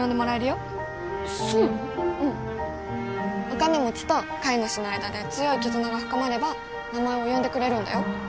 お金持ちと飼い主の間で強い絆が深まれば名前を呼んでくれるんだよ。